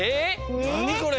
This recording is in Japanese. なにこれ！？